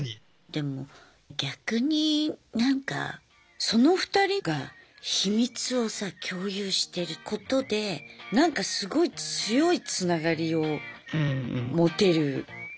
でも逆になんかその２人が秘密をさ共有してることでなんかすごい強いつながりを持てる気もする普通の夫婦より。